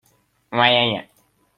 Ka tli.